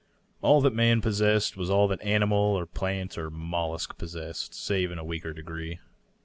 All that man possessed was all that animal or plant or mollusk possessed, save in a weaker degree.